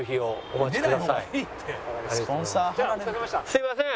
すみません。